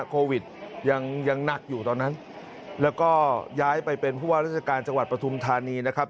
โควิดยังยังหนักอยู่ตอนนั้นแล้วก็ย้ายไปเป็นผู้ว่าราชการจังหวัดปฐุมธานีนะครับ